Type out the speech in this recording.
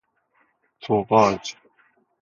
توغاج